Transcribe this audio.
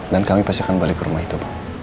kami pasti akan balik ke rumah itu